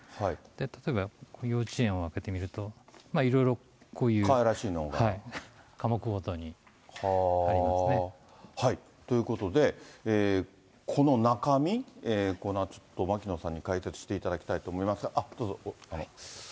例えば、幼稚園を開けてみると、かわいらしいのが。ということで、この中身、このあとちょっと、牧野さんに解説していただきたいと思いますが、どうぞ。